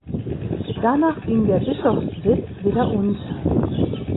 Danach ging der Bischofssitz wieder unter.